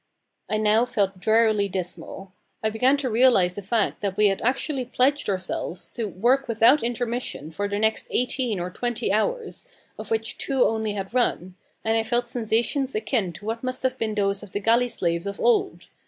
I now felt drearily dismal. I began to realise the fact that we had actually pledged ourselves to work without intermission for the next eighteen or twenty hours, of which two only had run, and I felt sensations akin to what must have been those of the galley slaves of old.